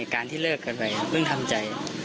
เหตุการณ์ที่เลิกเกิดไปเพิ่งทำใจ